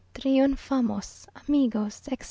Triunfamos, amigos, etc.